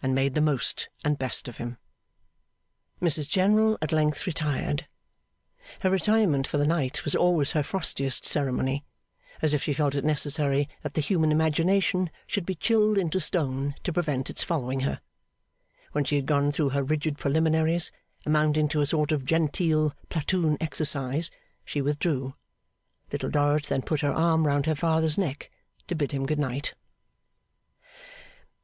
and made the most and best of him. Mrs General at length retired. Her retirement for the night was always her frostiest ceremony, as if she felt it necessary that the human imagination should be chilled into stone to prevent its following her. When she had gone through her rigid preliminaries, amounting to a sort of genteel platoon exercise, she withdrew. Little Dorrit then put her arm round her father's neck, to bid him good night.